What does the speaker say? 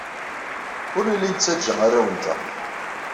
Ur nelli nettajja arraw-nteɣ.